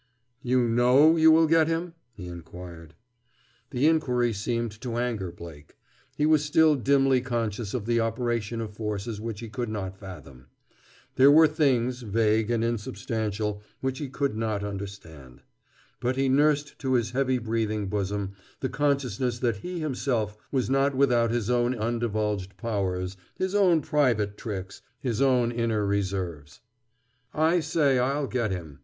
"You know you will get him?" he inquired. The inquiry seemed to anger Blake. He was still dimly conscious of the operation of forces which he could not fathom. There were things, vague and insubstantial, which he could not understand. But he nursed to his heavy breathing bosom the consciousness that he himself was not without his own undivulged powers, his own private tricks, his own inner reserves. "I say I'll get him!"